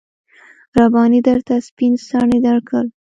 رباني درته سپين څڼې درکول.